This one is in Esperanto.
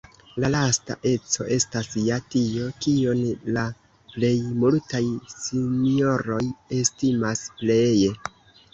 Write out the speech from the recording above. La lasta eco estas ja tio, kion la plej multaj sinjoroj estimas pleje.